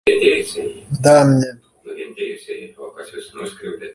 Damne.